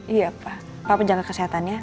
iya pak papa jaga kesehatannya